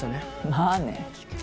まあね。